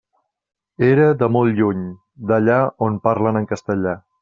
Era de molt lluny, d'allà on parlen en castellà.